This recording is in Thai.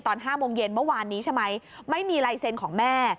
ตอน๕โมงเย็นเมื่อวานนี้ใช่ไหมไม่มีลายเซ็นต์ของแม่